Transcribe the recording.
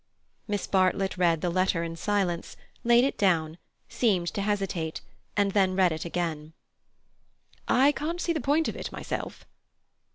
Miss Bartlett read the letter in silence, laid it down, seemed to hesitate, and then read it again. "I can't see the point of it myself."